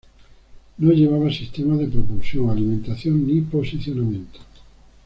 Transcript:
No llevaba sistemas de propulsión, alimentación ni posicionamiento.